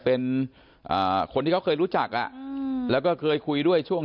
เป็นคนที่เขาเคยรู้จักอ่ะอืมแล้วก็เคยคุยด้วยช่วง